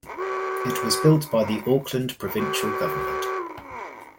It was built by the Auckland provincial government.